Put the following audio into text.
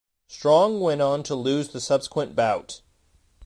Strong went on to lose the subsequent bout.